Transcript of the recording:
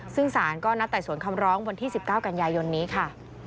ซึ่งสารก็นัดไต่สวนคำร้องวันที่๑๙กันยายนนี้ค่ะ